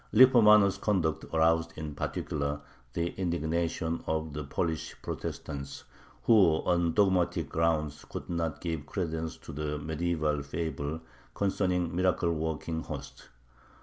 Lippomano's conduct aroused in particular the indignation of the Polish Protestants, who on dogmatic grounds could not give credence to the medieval fable concerning miracle working hosts.